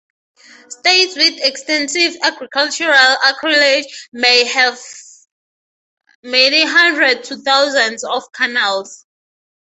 States with extensive agricultural acreage may have many hundred to thousands of canals.